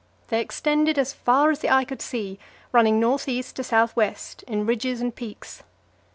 They extended as far as the eye could see, running north east to south west, in ridges and peaks.